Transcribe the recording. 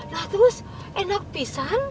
nah terus enak pisan